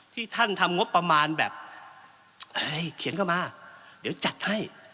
ที่ท่านทำงบประมาณแบบให้เขียนเข้ามาเดี๋ยวจัดให้